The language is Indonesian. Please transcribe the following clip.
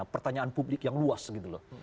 pertanyaan publik yang luas gitu loh